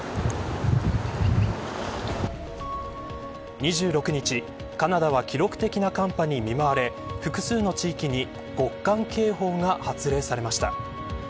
２６日、カナダは記録的な寒波に見舞われ複数の地域に極寒警報が発令されました。